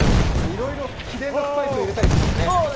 いろいろ秘伝のスパイスを入れたりしますね？